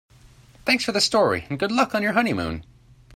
Thanks for the story and good luck on your honeymoon.